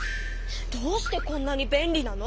どうしてこんなに便利なの？